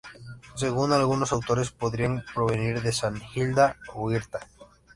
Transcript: Según algunos autores, podría provenir de San Hilda o Hirta.